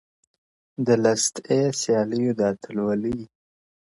د لست اې سیالیو د اتلولۍ